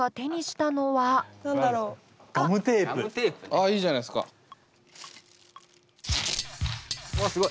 ああいいじゃないっすか。